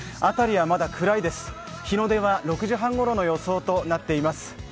辺りはまだ暗いです、日の出は６時半ごろの予想となっています。